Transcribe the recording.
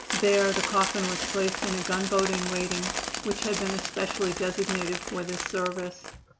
There the coffin was placed in a gunboat in waiting, which had been especially designated for this service.